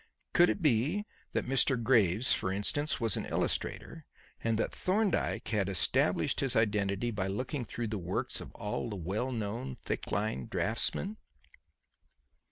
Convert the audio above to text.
Could it be that Mr. Graves, for instance, was an illustrator, and that Thorndyke had established his identity by looking through the works of all the well known thick line draughtsmen?